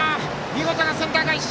見事なセンター返し！